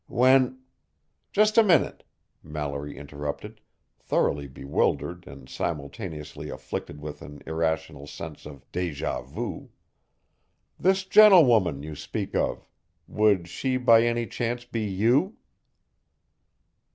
When " "Just a minute," Mallory interrupted, thoroughly bewildered and simultaneously afflicted with an irrational sense of deja vu. "This gentlewoman you speak of would she by any chance be you?"